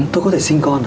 tôi có thể sinh con à